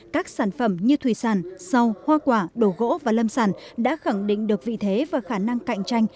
các sản phẩm như thủy sản sâu hoa quả đồ gỗ và lâm sản đã khẳng định được vị thế và khả năng cạnh tranh